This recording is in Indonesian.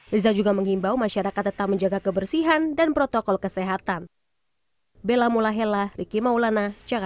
rizal juga menghimbau masyarakat tetap menjaga kebersihan dan protokol kesehatan